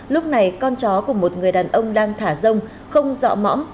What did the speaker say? lúc này con chó của một người đàn ông đang thả rông không dọa mõm